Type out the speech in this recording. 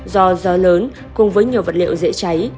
do gió lớn cùng với nhiều vật liệu dễ cháy